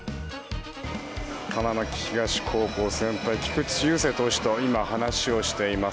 花巻東高校、先輩菊池雄星投手と今、話をしています。